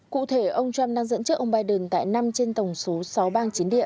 cụ thể ông trump đang dẫn trước ông biden tại năm trên tổng số sáu bang chiến địa